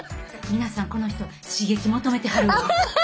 皆さんこの人刺激求めてはるわ。